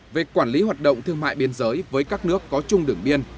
về quản lý hoạt động thương mại biên giới với các nước có chung đường biên